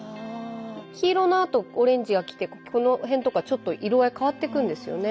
黄色のあとオレンジがきてこのへんとかちょっと色合い変わっていくんですよね。